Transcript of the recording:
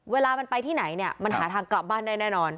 เวลามันไปที่ไหนเนี่ยมันหาทางกลับบ้านได้แน่นอน